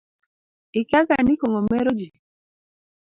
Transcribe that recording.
Ikiaga ni kong'o meroji.